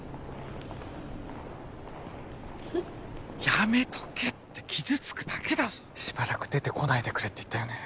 やめとけって傷つくだけだぞしばらく出てこないでくれって言ったよね